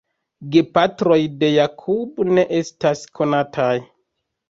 Gepatroj de Jakub ne estas konataj.